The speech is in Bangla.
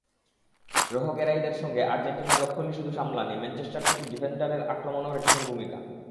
রোহো-গ্যারাইদের সঙ্গে আর্জেন্টিনার রক্ষণই শুধু সামলাননি, ম্যানচেস্টার সিটির ডিফেন্ডার আক্রমণেও রেখেছেন ভূমিকা।